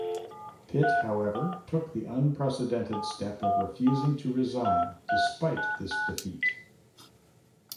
Pitt, however, took the unprecedented step of refusing to resign, despite this defeat.